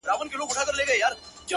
• د مسافر لالي د پاره,